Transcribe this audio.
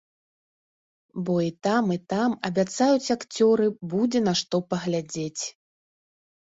Бо і там, і там, абяцаюць акцёры, будзе на што паглядзець.